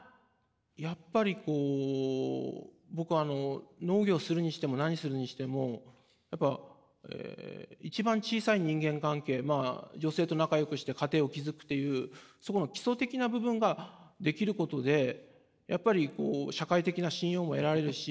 やっぱり僕農業するにしても何するにしてもやっぱ一番小さい人間関係女性と仲よくして家庭を築くっていうそこの基礎的な部分ができることでやっぱり社会的な信用も得られるし。